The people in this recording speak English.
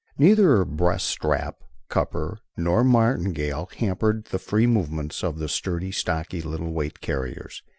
Neither breast strap, crupper nor martingale hampered the free movements of the sturdy, stocky little weight carriers.